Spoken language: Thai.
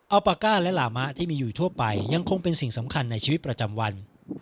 เอาปาก้าและลามะที่มีอยู่ทั่วไปยังคงเป็นสิ่งสำคัญในชีวิตประจำวัน